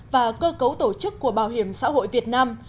và cơ cấu tổ chức của bảo hiểm xã hội việt nam